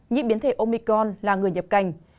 nhiễm biến thể omicron là người nhập cảnh